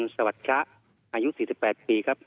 สวัสดีครับ